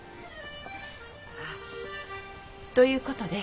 あっ。ということで。